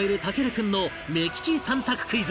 君の目利き３択クイズ